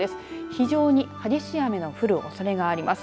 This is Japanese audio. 非常に激しい雨の降るおそれがあります。